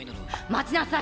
待ちなさい！